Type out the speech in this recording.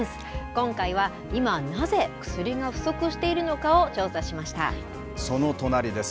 今回は、今なぜ薬が不足しているのかをその隣です。